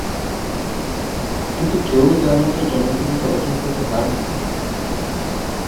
কিন্তু কেউই তার মত জনপ্রিয়তা অর্জন করতে পারেননি।